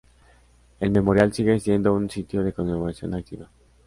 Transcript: El memorial sigue siendo un sitio de conmemoración activa.